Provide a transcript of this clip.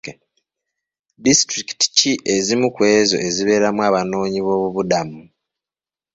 Disitulikiti ki ezimu ku ezo ezibeeramu Abanoonyiboobubudamu?